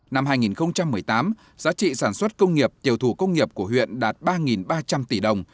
năm hai nghìn một mươi tám giá trị sản xuất công nghiệp tiểu thủ công nghiệp của huyện đạt ba ba trăm linh tỷ đồng